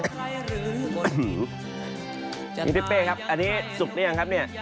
นี่พี่เต้นครับอันนี้สุขนี้ยังครับตั๊มเนี่ย